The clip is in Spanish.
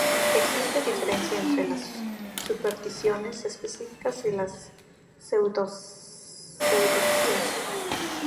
Existe diferencia entre las supersticiones específicas y las pseudociencias.